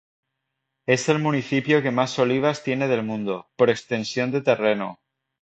Es el municipio que más olivas tiene del mundo, por extensión de terreno.